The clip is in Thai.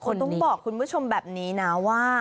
ต้องบอกคุณผู้ชมแบบนี้นะว่า